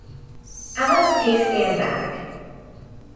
Alice takes Dan back.